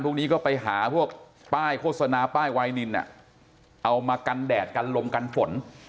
พวกนี้ก็ไปหาพวกป้ายโฆษณาป้ายวายนินเอามากันแดดกันลมกันฝน